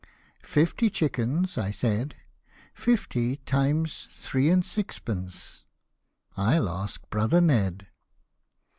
fifty chickens, I said, Fifty times three and sixpence /'// ask brother Ned.